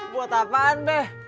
buat apaan deh